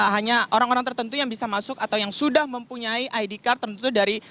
hanya orang orang tertentu yang bisa masuk atau yang sudah mempunyai id card tertentu dari